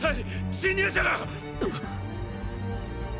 侵入者が！！